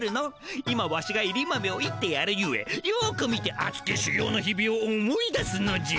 今ワシがいり豆をいってやるゆえよく見てあつきしゅ業の日々を思い出すのじゃ。